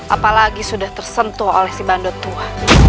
apalagi sudah tersentuh oleh si bandut tua